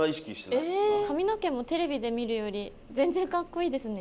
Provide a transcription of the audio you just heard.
髪の毛もテレビで見るより全然かっこいいですね。